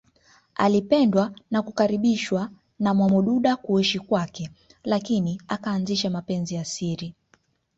Alipendwa na kukaribishwa na Mwamududa kuishi kwake lakini akaanzisha mapenzi ya siri